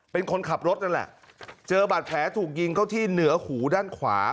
เป็นคนขับรถนั่นแหละเจอบาดแผลถูกยิงเข้าที่เหนือหูด้านขวา